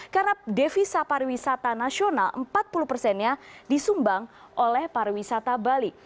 karena devisa pariwisata nasional empat puluh persennya disumbang oleh pariwisata bali